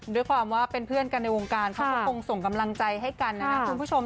ด้วยความว่าเป็นเพื่อนกันในวงการเขาก็คงส่งกำลังใจให้กันนะนะคุณผู้ชม